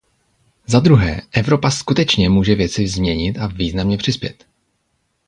Zadruhé, Evropa skutečně může věci změnit a významně přispět.